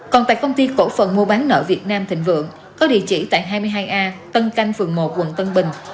còn tại công ty cổ phần mua bán nợ việt nam thịnh vượng có địa chỉ tại hai mươi hai a tân canh phường một quận tân bình